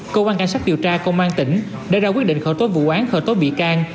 cơ quan cảnh sát điều tra công an tỉnh đã ra quyết định khởi tố vụ án khởi tố bị can